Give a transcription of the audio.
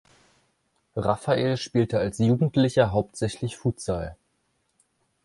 Raffael spielte als Jugendlicher hauptsächlich Futsal.